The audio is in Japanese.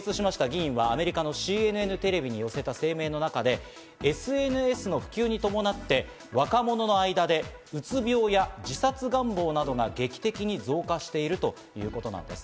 今回、法案を提出した議員は、アメリカのＣＮＮテレビニュースによせた声明の中でＳＮＳの普及に伴って若者の間で、うつ病や自殺願望などが劇的に増加しているということなんです。